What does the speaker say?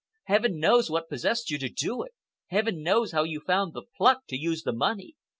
Heaven knows what possessed you to do it! Heaven knows how you found the pluck to use the money!